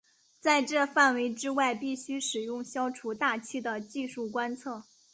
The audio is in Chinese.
在这范围之外必须使用消除大气的技术观测。